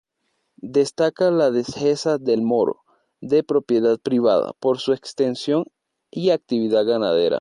Destaca la Dehesa del Moro, de propiedad privada, por su extensión y actividad ganadera.